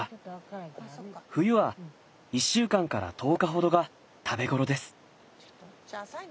冬は１週間から１０日ほどが食べ頃です。